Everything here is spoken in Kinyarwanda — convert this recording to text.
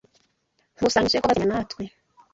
Nkusanyije ko bazemeranya natwe.